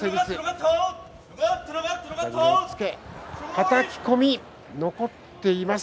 はたき込み残っています。